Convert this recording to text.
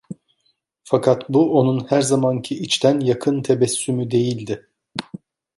Fakat bu, onun her zamanki içten, yakın tebessümü değildi.